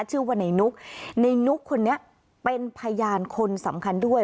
ชื่อว่าในนุกในนุกคนนี้เป็นพยานคนสำคัญด้วย